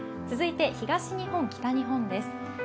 続いて東日本、北日本です。